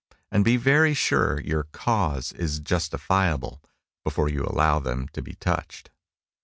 And be very sure your "cause" is "justifiable" before you allow them to be touched.